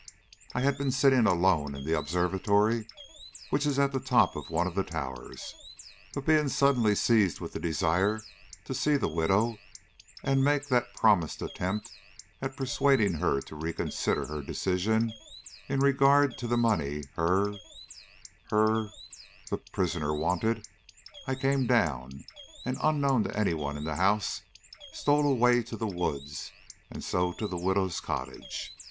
I had been sitting alone in the observatory, which is at the top of one of the towers, but being suddenly seized with a desire to see the widow and make that promised attempt at persuading her to reconsider her decision in regard to the money her her the prisoner wanted, I came down, and unknown to any one in the house, stole away to the woods and so to the widow's cottage.